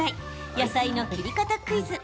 野菜の切り方クイズ。